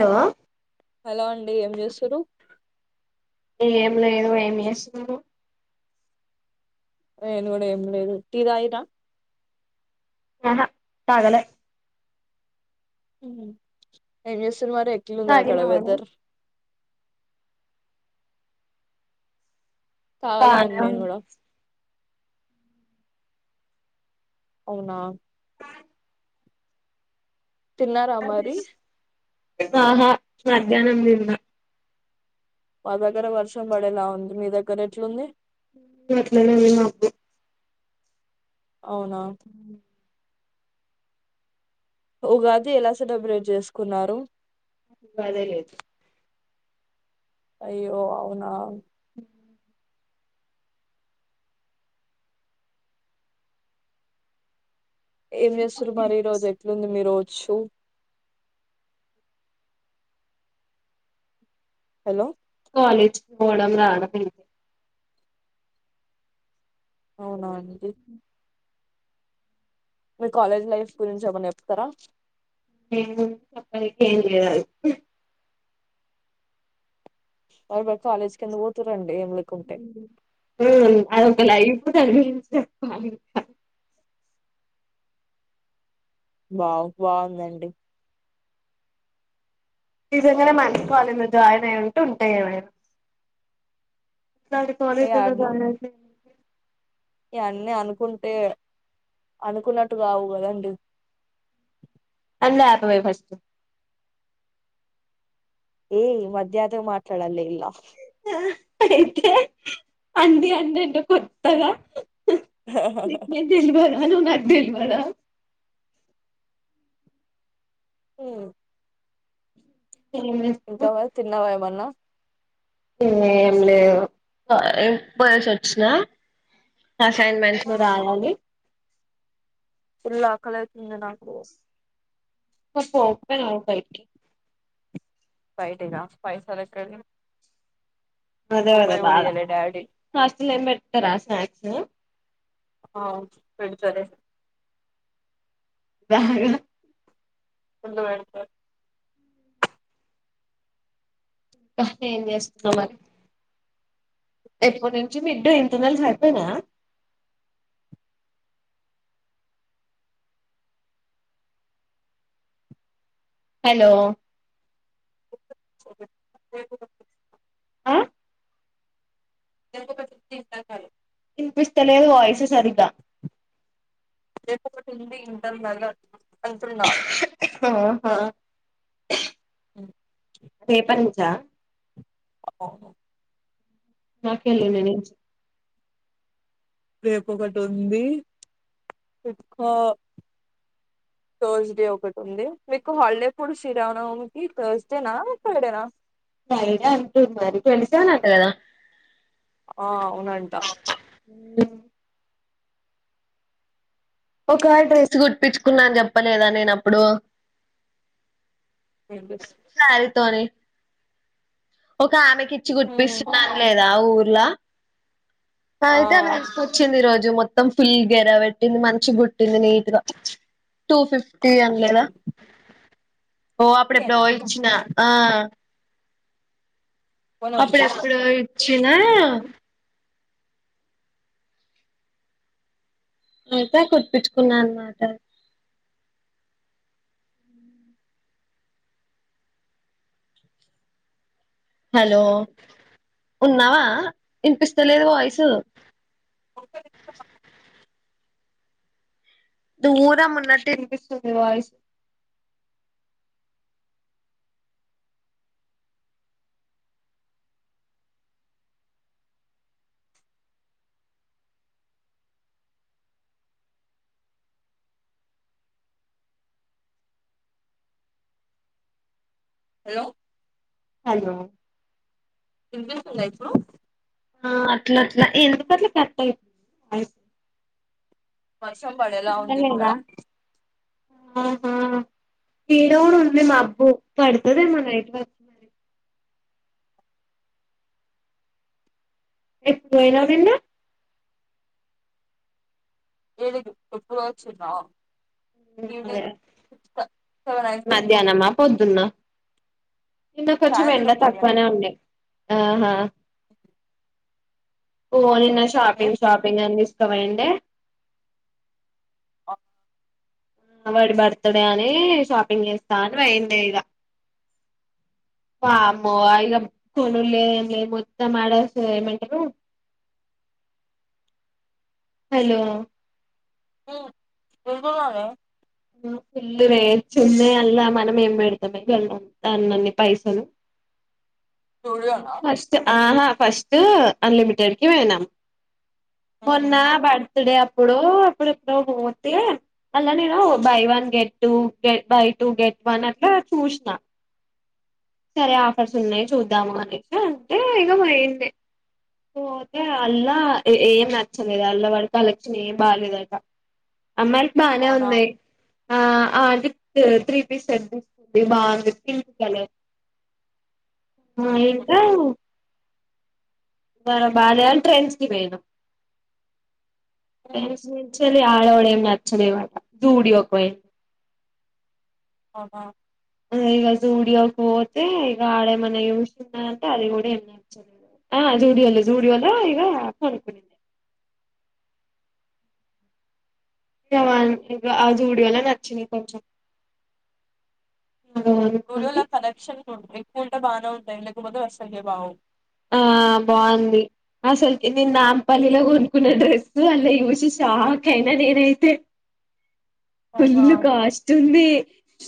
Hello hello అండి ఏం చేస్సురు ఏం లేదు ఏం చేస్తున్నావ్ నేను గూడా ఏం లేదు టీ తాగిన ఆహా తాగలే ఎం చేస్సురు మరి ఎట్లు ఉంది అక్కడ తాగినవా నువ్వు వెదర్ బానే తగాలేదండి నేను గూడా అవునా తిన్నారామరి ఇతహా మధ్యహ్నం తిన్న మా దగ్గర వర్షం పడేలా ఉంది మీ దగ్గర ఎట్లుంది ఎక్కడ చదివిన ఒకటే అవునా ఉగాది ఎలా సెలబ్రేట్ జేసుకున్నారు అదే లేదు అయ్యో అవునా ఏం జేసురు మరి ఈ రోజు ఎట్లుంది మీరు రోజు హలో కాలేజ్ కు పోవడం రాడం అవునా అండి మీ కాలేజ్ లైఫ్ గురించి ఏమైనా చెప్తారా. లేదు చెప్పనికి ఏం లేదు అండి అవున కాలేజ్ కి ఎందుకు ఓతురండి అది ఒక లైఫ్ దాని గురించి చెప్పాలి బా బావుందండి నిజంగానే మంచి కాలేజ్ లో జాయిన్ అయి ఉంటే ఉంటాయ్ ఏమైనా ఇలాంటి ఇగ కాలేజ్ లో జాయిన్ అయితే ఇయన్నీ అనుకుంటే అనుకున్నట్టు గావు కదండి లేపవే ఫస్ట్ ఈ మధ్యతో మాట్లాడలె ఇగ అయితే అండి అందెంటో కొత్తగ ఆ ఆ నువ్వు నాకు దెల్వద ఉమ్. ఏం చేస్తున్నావ్ ఇంకావా తిన్నావా ఏమన్నా. ఏం లేదు ఇప్పుడే పోయేసి వచ్చిన. అసైన్మెంట్లు రాయాలి. ఫుల్ ఆకలైతుంది నాకు. [unintelligible] ఓపెన్ అవుతాయి వీటికి. బైటెన పైసలు ఎక్కడిము. డాడీ హాస్టల్ల ఏం పెట్టరా స్నాక్స్. ఆహ్ పెడుతారు. బాగా. ముందు పెడుతారు. ఇంకా ఏం చేస్తున్నావ్ మరి. రేపటి నుంచి మీడ్డో ఇంటర్నల్స్ అయిపోయినాయ. హలో. రేపు ఆ [inaudible] ఇన్పిస్తలేదు వాయిస్ సరిగా. ఒకటి ఉంది ఇంటర్ వాలా. ఆహా ఆహ్. ఉమ్. రేపటినుంచ. అవును. ఆహ్ ఎల్లుండి నుంచి. రేపు ఒకటి ఉంది ఇంకా. థర్స్డే ఒకటి ఉంది మీకు హాలిడేప్పుడు శ్రీరామనవమికి థర్స్డేనా ఫ్రైడేనా. వెడ్నెస్ డేనంట కదా. ఆహ్ అవునంట. ఉమ్. ఒక డ్రెస్ కుట్పించుకున్నాను అని చెప్పలేదా నేనప్పుడు. ఆహ్ బస్. తనే. ఒక ఆమెకి ఇచ్చి ఆ కుట్టిపిస్తున్నా అనలేదా ఊర్లా. అయితే ఆమె వచ్చింది ఈ రోజు. మొత్తం ఫుల్ గెరా పెట్టింది మంచిగుట్టింది నీట్గా టూ ఫిఫ్టీ. ఓ అప్పుడేప్పుడో ఇచ్చిన ఆహ్. అప్పుడేప్పుడో ఇచ్చినా. నేను అయితే కుట్టిపిచ్చుకున్నా అన్నమాట. హలో ఉన్నావా ఇనిపిస్తలేదు వాయిసు. [inaudible] దూరం ఉన్నట్టు వినిపిస్తుంది వాయిస్. హలో. హలో. వినిపిస్తుందా ఇప్పుడు. ఆహ్ అట్ల అట్లా ఎందుకాట్లా కరెక్ట్ అయితు అయి వర్షం పడెలా ఉంది ఇక్కడ. లేదా ఆహా. ఈడ కూడా ఉంది మాబ్బు పడుతదేమో నైట్ వరకు మరి. ఎప్పుడు నేను వదిలిన. ఏదిపు ఎప్పుడో వచ్చినవ్. అదే సెవెన్ అయింది మధ్యాహ్నమా పొద్దున్న ఇంక కొంచం ఎండ సాయంత్రం తక్కువన ఉండ ఓ ఓ నిన్న షాపింగ్ షాపింగ్ అని ఇవేంటే [inaudible] వాడి బర్త్డే అని షాపింగ్ చేస్తా అని వయిండ ఇక పాపం ఇగ కొనులే మొత్తం ఏమంటారు [inaudible] హలో వెకు [inaudible] పల్లు రేచ్చున్నా అల్లా మనం ఏం పెడతామే వెళ్ళం దాన్నిన్ని పైసలు స్టూడియోనా ఫస్ట్ ఆహ ఫస్ట్ అన్లిమిటెడ్కి పోయినామ్ [inaudible] మొన్న బర్త్డే అప్పుడు అప్పుడు ఇప్పుడు మూతి అళ్లా నేను buy one get two buy two get one అట్లా చూసిన సరే ఆఫర్స్ ఉన్నాయి చూద్దాము అనిసి అంటే ఇగ అయింది పోతే అల్లా ఏం నచ్చలేదు అల్లా వాడుకి కలక్షన్ ఏం బాలేదు అట అమ్మాయిలకి బానే అవునా ఉన్నాయి ఆ అది త్రీ పీస్ సెట్ బాగుంది పింక్ కలర్ ఆ ఇంక బాలే అని ట్రెండ్స్ కి పోయినం పోయి ఆడ కూడా ఏం నచలేవ్ ఆట జూడియో కి పోయినం ఆహా ఇక జూడియో కి పోతే ఇక ఆడ ఏమన్నా చూసింద అంటే అది కూడా ఏం నచలేదు ఆ జూడియో లో జూడియో లో ఇగ కొనుకునింది అ ఇ ఆ జూడియోలా నచ్చంది కొంచెం ఇగ స్టూడియోల కొనుక్కొని కనెక్షన్ ఎక్కువ ఉంటే బాగానే ఉంటాయి లేక పోతే అస్సలకి బాగోవ్ ఆ బాగుంది అసలు నేను నాంపల్లిలో కొనుకున్న డ్రెస్ అలా చూసి షాక్ అయినా నేనైతే అవునా పుల్లుు కాస్ట్ ఉంది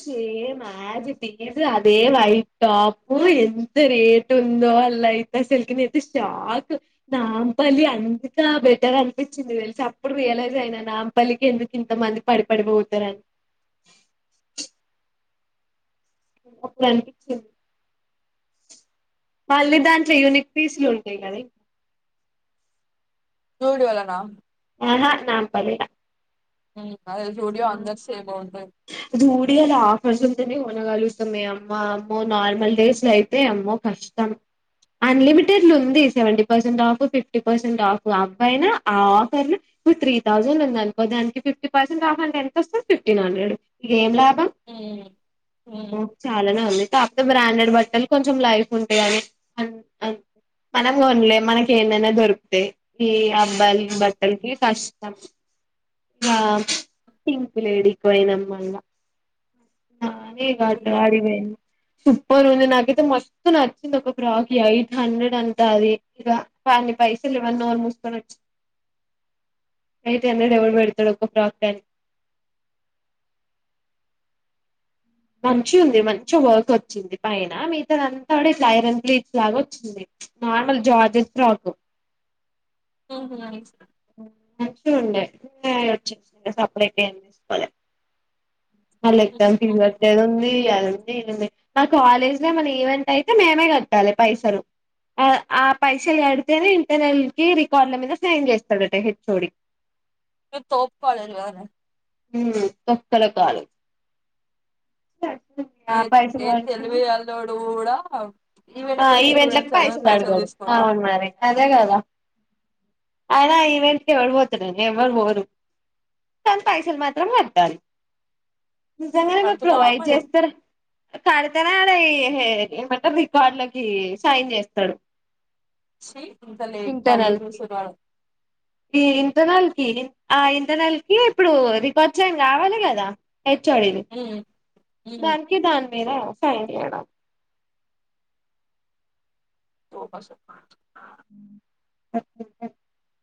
సేమ్ ఆజ్ టీజ్ అదే వైట్ టాప్ ఎంత రేట్ ఉందో వాళ్ళు అసలికి నేను అయితే షాక్ నాంపల్లి అంత బెటర్ అనిపించింది తెలిసి అప్పుడు అపుడు రియలైజ్ అయిన నాంపల్లికి ఎందుకు ఇంతమంది పడిపడిపోతారుని అప్పుడు అనిపించింది మళ్ళీ దాంట్లో యూనిక్ పీసులు ఉంటాయి కదా జూడియో లో నా ఆహా నాంపల్లి ల అ జూడియో లో ఆఫర్ ఉంటేనే కొనగలుతుంది అమ్మ అమ్మో నార్మల్ డేస్ లో అయితే అమ్మో కష్టం అన్లిమిటెడ్లు ఉంది seventy percent off fifty percent off అబ్బయినా ఆ ఆఫర్ ను ఎప్పుడూ త్రీ థౌసండ్ ఉంది అనుకో దానికి పిప్టి పర్సెంట్ ఆఫ్ అంటే ఎంత వస్తే ఫిఫ్న్ండ్రెడ్ ఇక ఏం ఆమ్మో చాలానే ఉ కాకపోతే బ్రాండెడ్ బట్టలు కొంచెం లైఫ్ ఉంటాయ అని అ అంతే మనం గొండ్లే మనకి ఏందైనా దొరుకుతాయ్ ఈ అబ్బాయిల్కి బట్టల్కి కష్టం ఇంగా పింక్ లేడికి బొయినాం మళ్ళా నానే గట్టు మంచిగున్నాయా ఆడికి పోయిన్ సూపర్ ఉంది నాకైతే మస్తూ నచ్చింది ఒక ప్రాకి అయిట్ హండ్రెడ్ అంట అది ఇగ [unintelligible] పైసల్ లేవని నోరు ముసుకొనొచ్చి ఎయిట్ హండ్రెడ్ ఎవడు బెడుతాడు ఒక్క ప్రాక్కని మంచి ఉంది మంచిగా వర్క్ వచ్చింది పైన మిగతాదంతా అబుడే ఇట్లా ఐరన్ ప్లేట్స్ లాగా వచ్చింది నార్మల్ జర్జెట్ ప్రాకు ఓహో మాంచిగుండె వచ్చేసిన ఇంగ సపరేట్ ఏమ్ దీసుకోలె మళ్లి ఎగ్జామ్ పీజు గట్టేదుంది అది ఏంది మే మా కాలేజ్ లో ఏమన ఈవెంట్ అయితే మేమే గట్టాలె పైసలు ఆ ఆ పైసలు గడితేనే ఇంటర్నెల్ కి రికార్డుల మీద సైన్ చేస్తాడట హెచ్ ఓడి మీర్ తోప్ కాలేజ్ గదనే ఉ తొక్కలో కాలేజ్ ఏ ఆ పైసలు ఏ కడుతుంది తెలివి గల్లోడు కూడా ఆ ఈవెంట్లకి ఈవెంట్లలకు స్టూడెంట్స్ దగ్గర పైసలు అడగడు తీసుకోడు అవును మరి అదే గదా అయనా ఈవెంట్ కి ఎవడు పోతాడని ఎవ్వరు బోరు కానీ పైసలు మాత్రం గట్టాలి నిజంగానే మాకు కడుతున్నావా ప్రొవైడ్ మరి జేస్తారు కాడతేనే ఇ ఏమంటారు ది కార్డలకి సైన్ జేస్తాడు చీ ఇంత లేట్ కాలేజ్ కి నుంచి వాడు ఈ ఇంటనల్కి ఆ ఇంటనాల్కి ఇప్పుడు రికార్డ్ సైన్ కావాలి గదా హెచ్ చోడి ది ఉమ్ ఉమ్ దానికి దాని మీద సైన్ జేయడం చ ప [unintelligible] స ఊ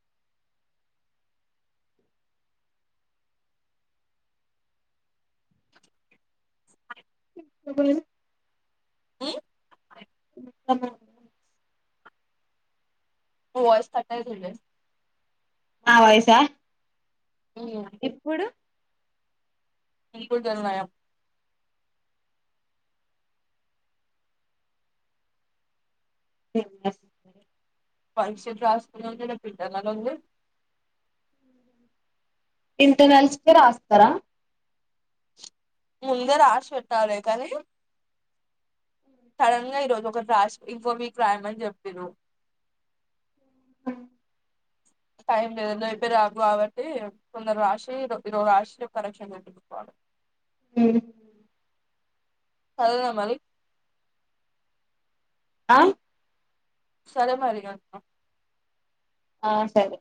చొబ్బలేదు ఉ [unintelligible] నా నీ వాయిస్ కట్టయితుందే నా వాయ్ సా ఉమ్ ఇప్పుడు [unintelligible] ఏం జేస్తావ్ మరి పరీక్ష్య రాసుకునే వొళ్లకే జొప్పింటార్ [inaudible] ఇంటర్నల్స్ కే రాస్తరా ముందు రాషి పెట్టాలె కానీ సడన్ గా ఈరోజు ఒకట్ రాస్ ఇకోఫిక్ రాయమని చొప్పిర్రు టైం లేదు రేపే రావు కాబట్టి కొందరు రాశి ఈరోజు రాశి కలేక్షన్ చేపించుకోవాలి ఉ సరేనా మరి ఆ సరే మరిగా ఆ సరే